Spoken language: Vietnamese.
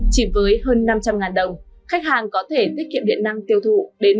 chỉ với hơn năm trăm linh đồng khách hàng có thể tiết kiệm điện năng tiêu thụ đến bốn mươi